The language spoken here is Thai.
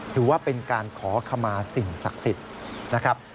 ถือว่าเป็นการขอขมาสิ่งศักดิ์สิทธิ์นะครับ